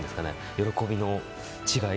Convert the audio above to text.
喜びの違い。